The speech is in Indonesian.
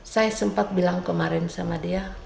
saya sempat bilang kemarin sama dia